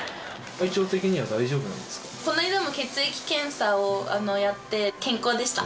この間も血液検査をやって健康でした。